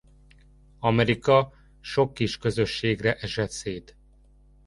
Amerika sok kis közösségre esett szét.